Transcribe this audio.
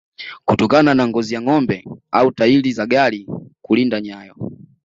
kutokana na ngozi ya ngombe au tairi za gari kulinda nyayo